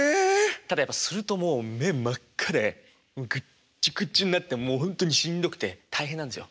ただやっぱするともう目真っ赤でグッチュグチュになってほんとにしんどくて大変なんですよ。